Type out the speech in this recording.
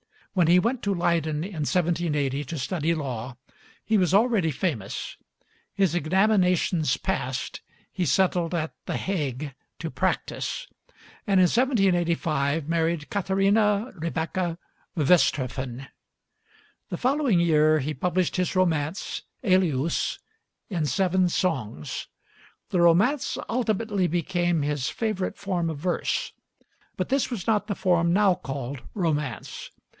When he went to Leyden in 1780 to study law, he was already famous. His examinations passed, he settled at the Hague to practice, and in 1785 married Katharina Rebekka Woesthoven. The following year he published his romance, 'Elius,' in seven songs. The romance ultimately became his favorite form of verse; but this was not the form now called romance.